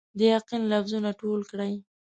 د یقین لفظونه ټول کړئ